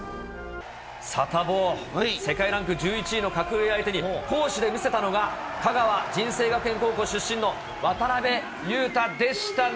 サタボー、世界ランク１１位の格上相手に攻守で見せたのが、香川・尽誠学園高校出身の渡邊雄太でしたね。